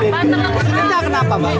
pertama kali naik kan kesulit